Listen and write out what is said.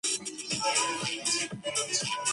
就在今天